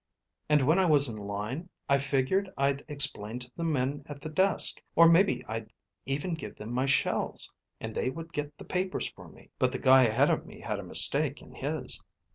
And when I was in line, I figured I'd explain to the men at the desk. Or maybe I'd even give them my shells, and they would get the papers for me. But the guy ahead of me had a mistake in his.